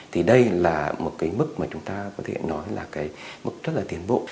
thì đây là một cái mức mà chúng ta có thể nói là cái mức rất là tiến bộ